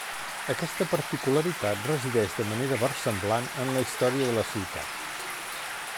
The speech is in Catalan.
Aquesta particularitat resideix de manera versemblant en la història de la ciutat.